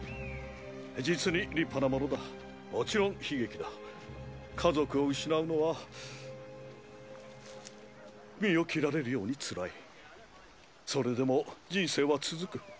実に立派なものだもちろん悲劇だ家族を失うのは身を切られるようにつらいそれでも人生は続く